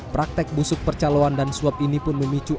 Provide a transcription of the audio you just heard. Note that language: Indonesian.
praktek busuk percaloan dan suap ini pun memicu